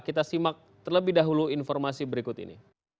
kita simak terlebih dahulu informasi berikut ini